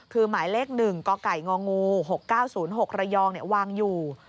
คือหมายเลข๑กกง๖๙๐๖ระยองวางอยู่